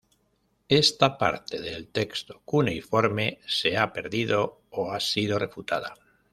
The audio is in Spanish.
Esta parte del texto cuneiforme se ha perdido, o ha sido refutada.